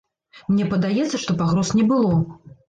Мне падаецца, што пагроз не было.